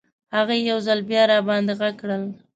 هغې یو ځل بیا راباندې غږ کړل.